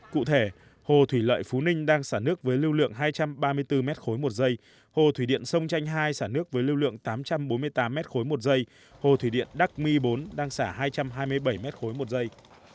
cụ thể hồ thủy lợi phú ninh đang xả nước với lưu lượng hai trăm ba mươi bốn m ba một giây hồ thủy điện sông chanh hai xả nước với lưu lượng tám trăm bốn mươi tám m ba một giây hồ thủy điện đắc mi bốn đang xả hai trăm hai mươi bảy m ba một giây